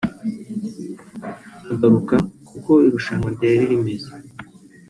Agaruka kuko irushanwa ryari rimeze